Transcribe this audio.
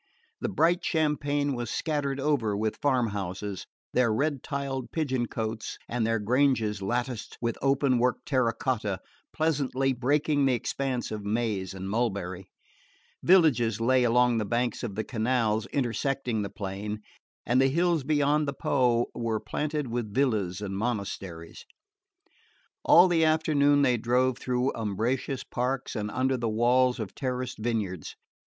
The bright champaign was scattered over with farm houses, their red tiled pigeon cots and their granges latticed with openwork terra cotta pleasantly breaking the expanse of maize and mulberry; villages lay along the banks of the canals intersecting the plain; and the hills beyond the Po were planted with villas and monasteries. All the afternoon they drove between umbrageous parks and under the walls of terraced vineyards.